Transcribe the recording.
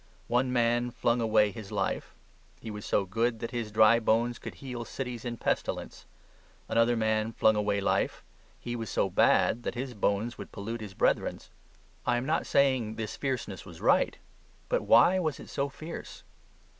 One man flung away his life; he was so good that his dry bones could heal cities in pestilence. Another man flung away life; he was so bad that his bones would pollute his brethren's. I am not saying this fierceness was right; but why was it so fierce?